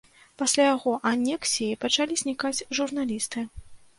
Пасля яго анексіі пачалі знікаць журналісты.